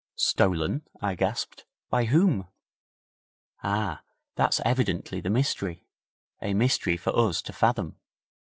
'Stolen!' I gasped. 'By whom?' 'Ah! that's evidently the mystery a mystery for us to fathom.